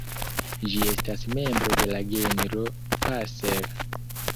Ĝi estas membro de la genro "Passer".